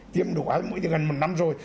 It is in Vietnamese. tiêm đủ hai mũi thì gần một năm rồi